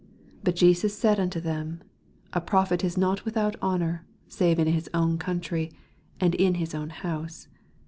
But Jesus said unto them, A prophet is not without honor, save in his own country, and in his own house.